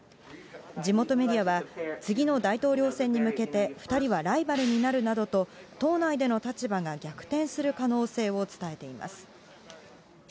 地元メディアは、次の大統領選に向けて、２人はライバルになるなどと、党内での立場が逆転する可能性を伝えています。